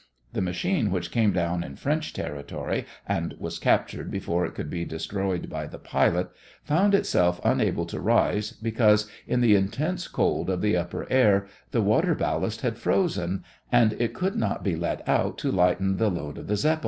The machine which came down in French territory and was captured before it could be destroyed by the pilot, found itself unable to rise because in the intense cold of the upper air the water ballast had frozen, and it could not be let out to lighten the load of the Zeppelin.